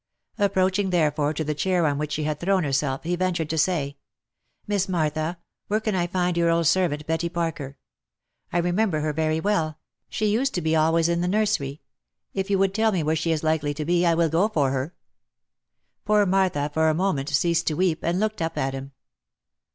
Approaching, therefore, to the chair on which she had thrown herself, he ventured to say, " Miss Martha ! where can I find your old servant Betty Parker ? I remember her very well —; she used to be always in the nursery. If you would tell me where she is likely to be, I will go for her." Poor Martha for a moment ceased to weep, and looked up at him.